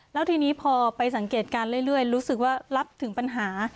แล้วทีนี้พอไปสังเกตการณ์เรื่อยรู้สึกว่ารับถึงปัญหา